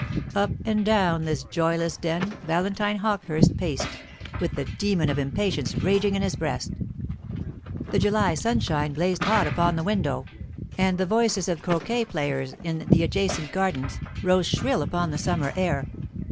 Up and down this joyless den Valentine Hawkehurst paced, with the demon of impatience raging in his breast. The July sunshine blazed hot upon the window, and the voices of croquêt players in adjacent gardens rose shrill upon the summer air.